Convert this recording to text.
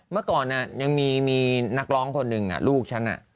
เมื่อก่อนยังมีนักร้องคนหนึ่งลูกฉัน